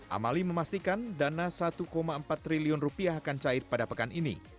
amali memastikan dana rp satu empat triliun rupiah akan cair pada pekan ini